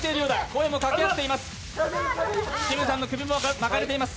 声も掛け合っています。